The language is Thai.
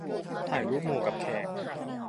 ถ่ายรูปหมู่กับแขก